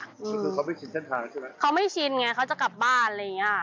คือเขาไม่ชินเส้นทางแล้วใช่ไหมเขาไม่ชินไงเขาจะกลับบ้านอะไรอย่างเงี้ย